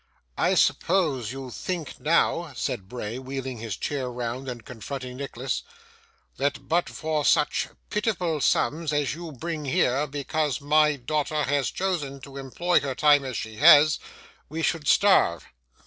'I suppose you think now,' said Bray, wheeling his chair round and confronting Nicholas, 'that, but for such pitiful sums as you bring here, because my daughter has chosen to employ her time as she has, we should starve?